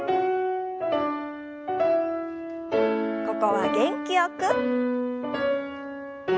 ここは元気よく。